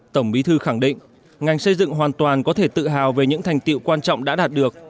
tổng bí thư khẳng định ngành xây dựng hoàn toàn có thể tự hào về những thành tiệu quan trọng đã đạt được